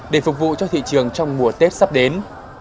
để phục vụ cho thị trường trong mùa tết sắp đến